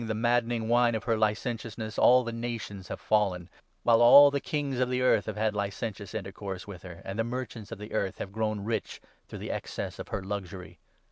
517 the maddening wine of her licentiousness, all the nations have fallen ; while all the kings of the earth have had licentious intercourse with her, and the merchants of the earth have grown rich through the excess of her luxury.'